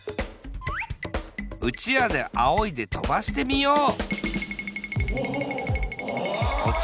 うちわであおいでとばしてみよう！